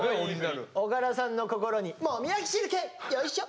岡田さんの心にもみあげ手裏剣！よいしょ！